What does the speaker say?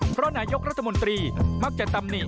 เพราะนายกรัฐมนตรีมักจะตำหนิ